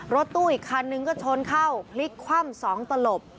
รถตู้อีกคันนึงก็ชนเข้าพลิกคว่ำ๒ตลบ